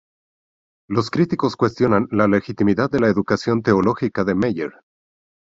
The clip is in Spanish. Los críticos cuestionan la legitimidad de la educación teológica de Meyer.